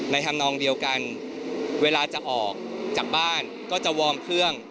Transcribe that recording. ทำนองเดียวกันเวลาจะออกจากบ้านก็จะวอร์มเครื่อง